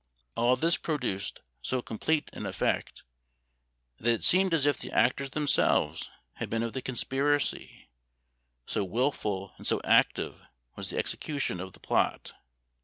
All this produced so complete an effect, that it seemed as if the actors themselves had been of the conspiracy, so wilful and so active was the execution of the plot.